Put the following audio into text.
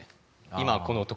今この時。